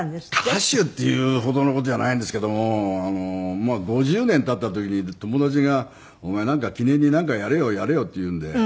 歌手っていうほどの事じゃないんですけども５０年経った時に友達がお前記念になんかやれよやれよって言うんで。